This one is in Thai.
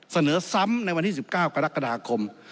เสนอซ้ำในวันที่๑๙กรกฎาคม